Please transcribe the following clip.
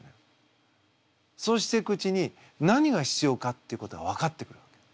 そうしていくうちに何が必要かっていうことが分かってくるわけ。